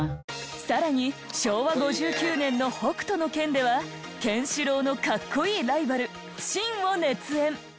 更に昭和５９年の『北斗の拳』ではケンシロウの格好いいライバルシンを熱演。